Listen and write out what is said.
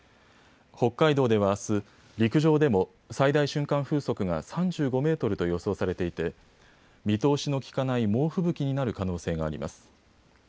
北海道ではあす陸上でも最大瞬間風速が３５メートルと予想されていて見通しのきかない猛吹雪になる可能性があります。